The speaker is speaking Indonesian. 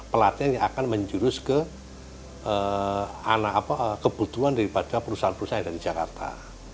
pelatihan yang akan menjurus ke kebutuhan daripada perusahaan perusahaan yang ada di jakarta